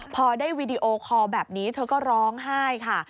พอได้วีดีโอคอลแบบนี้เธอก็ร้องไห้ค่ะ